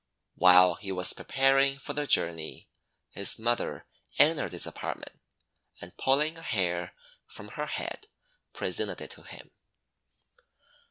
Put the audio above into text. While he was preparing for the journey, his mother entered his apartment, and, pulling a hair from her head, presented it to him.